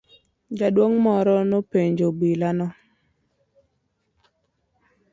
Jaduong' moro nopenjo obila no.